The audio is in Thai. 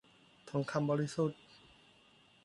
ทองคำบริสุทธิ์